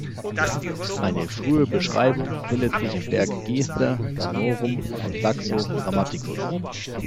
Eine frühe Beschreibung findet sich im Werk Gesta Danorum von Saxo Grammaticus.